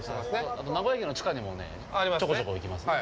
あと名古屋駅の地下にもねちょこちょこ行きますね。